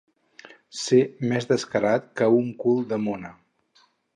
Ser més descarat que un cul de mona.